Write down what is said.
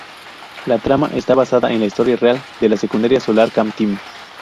La trama está basada en la historia real de la Secundaria Solar Car Team.